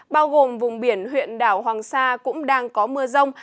bao gồm vùng biển huyện đảo hoàng sa cũng đang có mưa rông